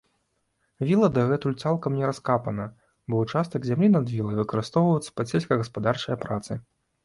Віла дагэтуль цалкам не раскапана, бо ўчастак зямлі над вілай выкарыстоўваецца пад сельска-гаспадарчыя працы.